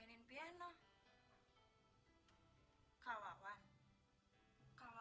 terima kasih pak jarwo